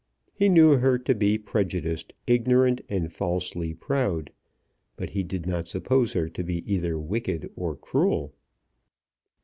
He knew her to be prejudiced, ignorant, and falsely proud, but he did not suppose her to be either wicked or cruel.